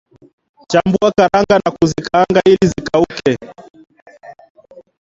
Chambua karanga na kuzikaanga ili zikauke